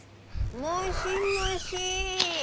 ☎もしもしぃ。